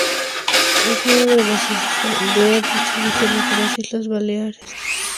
Es miembro de la Asociación de Artistas Visuales de las Islas Baleares.